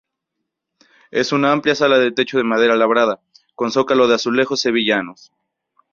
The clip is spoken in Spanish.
Es una amplia sala de techo de madera labrada, con zócalos de azulejos sevillanos.